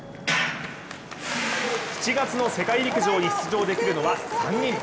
７月の世界陸上に出場できるのは３人。